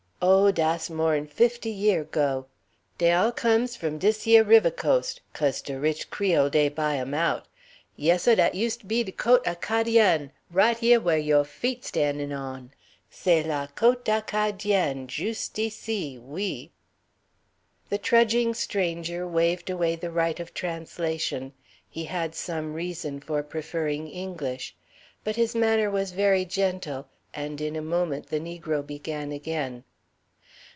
Oh! dass mo'n fifty year' 'go. Dey all comes from dis yeh riveh coast; 'caze de rich Creole', dey buy 'em out. Yes, seh, dat use' be de Côte Acadien', right yeh whar yo' feet stan'in' on. C'est la côte Acadien', just ici, oui." The trudging stranger waived away the right of translation. He had some reason for preferring English. But his manner was very gentle, and in a moment the negro began again.